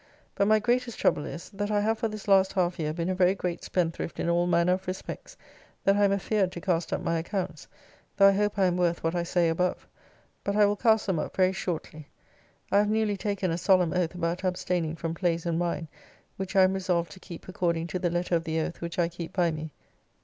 But my greatest trouble is, that I have for this last half year been a very great spendthrift in all manner of respects, that I am afeard to cast up my accounts, though I hope I am worth what I say above. But I will cast them up very shortly. I have newly taken a solemn oath about abstaining from plays and wine, which I am resolved to keep according to the letter of the oath which I keep by me.